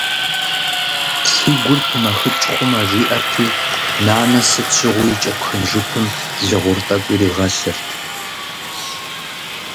Си гур пымэхыкӏ хъумэ, жиӏэрти, нанэ сыт щыгъуи и кӏэпхын жыпым лыгъур тӏэкӏу иригъэлъырт.